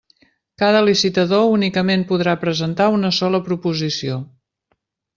Cada licitador únicament podrà presentar una sola proposició.